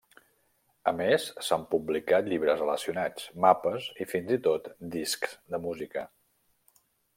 A més, s'han publicat llibres relacionats, mapes i fins i tot discs de música.